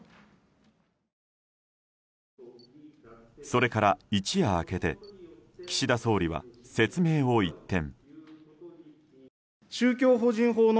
それから一夜明けて岸田総理は説明を一転。